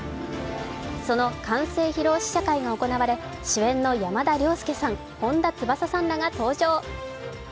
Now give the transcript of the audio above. その完成披露試写会が行われ主演の山田涼介さん、本田翼さんらが登場。